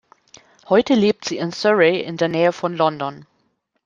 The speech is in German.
Heute lebt sie in Surrey in der Nähe von London.